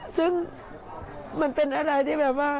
ซึ่งมันเป็นอะไรที่แบบว่า